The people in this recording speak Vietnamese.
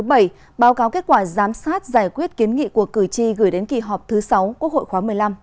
báo cáo kết quả giám sát giải quyết kiến nghị của cử tri gửi đến kỳ họp thứ sáu quốc hội khóa một mươi năm